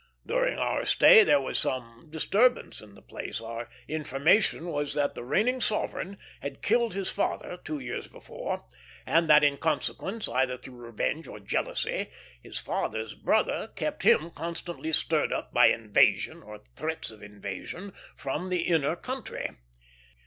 During our stay there was some disturbance in the place. Our information was that the reigning sovereign had killed his father two years before; and that in consequence, either through revenge or jealousy, his father's brother kept him constantly stirred up by invasion, or threats of invasion, from the inner country.